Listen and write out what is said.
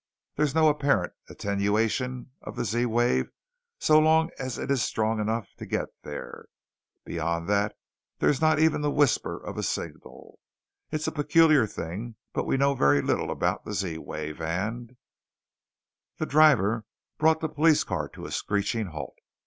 There's no apparent attenuation of the Z wave so long as it is strong enough to get there. Beyond that, there is not even the whisper of a signal. It's a peculiar thing, but we know very little about the Z wave, and " The driver brought the police car to a screeching halt.